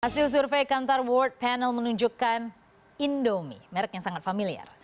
hasil survei kantor world panel menunjukkan indomie merek yang sangat familiar